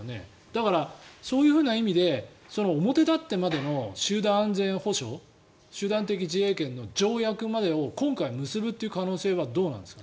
だから、そういう意味で表立ってまでの集団安全保障集団的自衛権の条約までを今回、結ぶ可能性はどうなんですか。